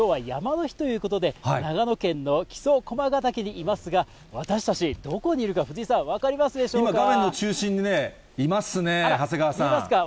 きょうは山の日ということで、長野県の木曽駒ヶ岳にいますが、私たち、どこにいるか、藤井さん、今、画面の中心にいますね、見えますか？